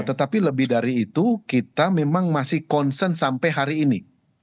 tetapi lebih dari itu kita memang masih concern sampai hari ini